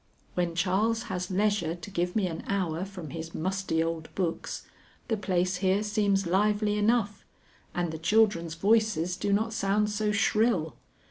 When Charles has leisure to give me an hour from his musty old books, the place here seems lively enough, and the children's voices do not sound so shrill.